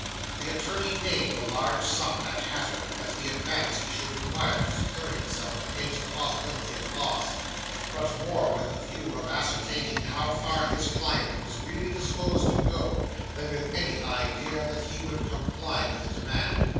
'The attorney named a large sum, at hazard, as the advance he should require to secure himself against the possibility of loss; but more with the view of ascertaining how far his client was really disposed to go, than with any idea that he would comply with the demand.